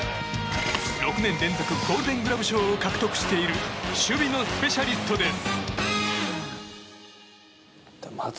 ６年連続ゴールデングラブ賞を獲得している守備のスペシャリストです。